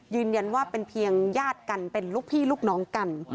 ยืนยันว่าเป็นเพียงญาติกันเป็นลูกพี่ลูกน้องกัน